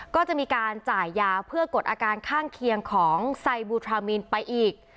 ก็จะมีการจ่ายยาเพื่อกดอาการข้างเคียงของไซบูทรามีนไปอีก